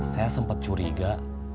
saya sempat curiga